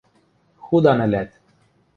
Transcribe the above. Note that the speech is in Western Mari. Худан ӹлӓт.